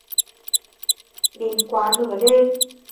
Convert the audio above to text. Đến quá nửa đêm